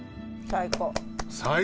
最高！